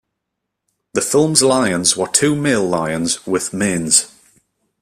The film's lions were two male lions with manes.